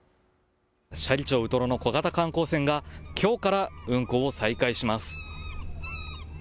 斜里町ウトロの小型観光船が、きょうから運航を再開します。